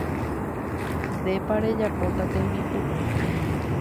Ndépa rejapóta tembi'u.